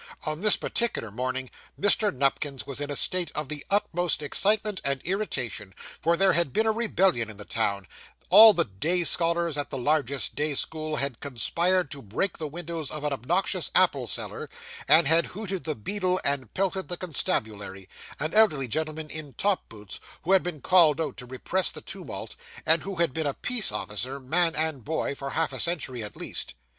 On this particular morning, Mr. Nupkins was in a state of the utmost excitement and irritation, for there had been a rebellion in the town; all the day scholars at the largest day school had conspired to break the windows of an obnoxious apple seller, and had hooted the beadle and pelted the constabulary an elderly gentleman in top boots, who had been called out to repress the tumult, and who had been a peace officer, man and boy, for half a century at least.